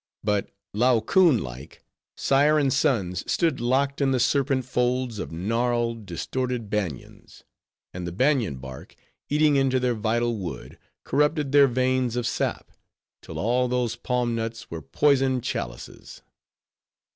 But, Laocoon like, sire and sons stood locked in the serpent folds of gnarled, distorted banians; and the banian bark, eating into their vital wood, corrupted their veins of sap, till all those palm nuts were poisoned chalices.